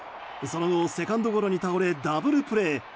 その後、セカンドゴロに倒れダブルプレー。